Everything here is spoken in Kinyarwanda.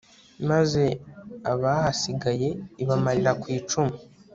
maze abahasigaye ibamarira ku icumu